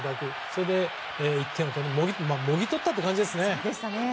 それで、１点をもぎ取った感じですね。